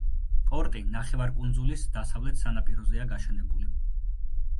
პორტი ნახევარკუნძულის დასავლეთ სანაპიროზეა გაშენებული.